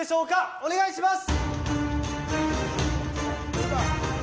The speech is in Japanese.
お願いします。